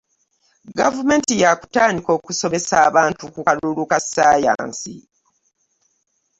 Gavumenti ya kutandika okusomesa abantu ku kalulu ka ssaayansi.